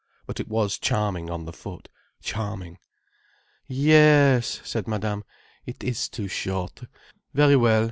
But it was charming on the foot, charming. "Yes," said Madame. "It is too short. Very well.